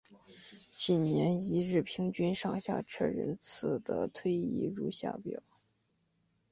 近年一日平均上下车人次的推移如下表。